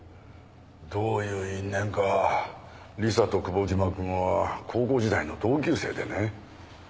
どういう因縁か理紗と久保島君は高校時代の同級生でね。